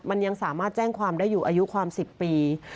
มันยังสามารถแจ้งความได้อยู่อายุความ๑๐ปี